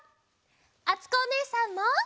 あつこおねえさんも！